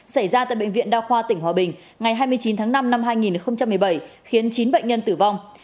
xảy ra tại bệnh viện đa khoa tỉnh hòa bình ngày hai mươi chín tháng năm năm hai nghìn một mươi bảy khiến chín bệnh nhân tử vong